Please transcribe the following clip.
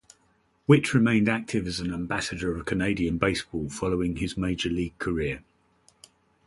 Whitt remained active as an ambassador of Canadian baseball following his major league career.